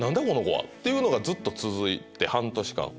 この子はっていうのがずっと続いて半年間。